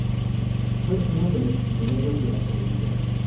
Fue uno de los pioneros de la televisión.